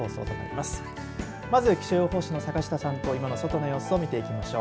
まず気象予報士の坂下さんと外の様子を見ていきましょう。